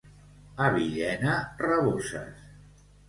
A Villena, raboses.